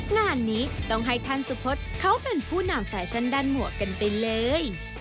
งานนี้ต้องให้ท่านสุพธเขาเป็นผู้นำแฟชั่นด้านหมวกกันไปเลย